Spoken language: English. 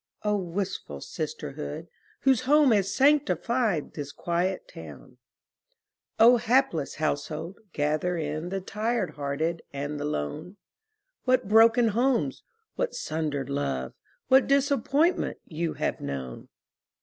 Oh, wistful sisterhood, whose home Has sanctified this quiet town! Oh, hapless household, gather in The tired hearted and the lone! What broken homes, what sundered love, What disappointment you have known!